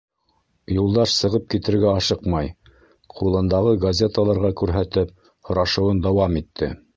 Юлдаш сығып китергә ашыҡмай, ҡулындағы газеталарға күрһәтеп, һорашыуын дауам итте: